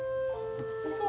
そう？